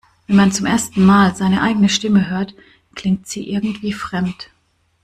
Wenn man zum ersten Mal seine eigene Stimme hört, klingt sie irgendwie fremd.